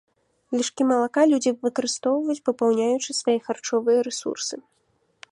Лішкі малака людзі выкарыстоўваюць, папаўняючы свае харчовыя рэсурсы.